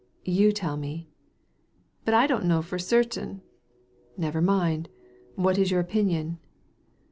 "You tell me."' " But I don't know for certain." " Never mind. What is your opinion